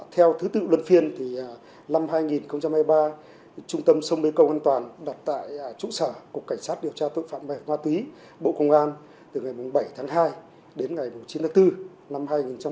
theo thứ tự luân phiên thì năm hai nghìn hai mươi ba trung tâm sông mê công an toàn đặt tại trụ sở cục cảnh sát điều tra tội phạm về ma túy bộ công an từ ngày bảy tháng hai đến ngày chín tháng bốn năm hai nghìn hai mươi ba